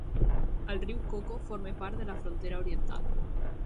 El riu Coco forma part de la frontera oriental.